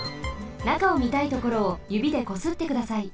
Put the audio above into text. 中をみたいところをゆびでこすってください。